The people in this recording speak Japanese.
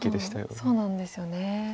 そうなんですよね。